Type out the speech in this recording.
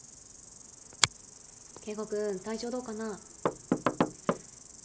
君体調どうかな？